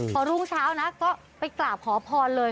พอรุ่งเช้านะก็ไปกราบขอพรเลย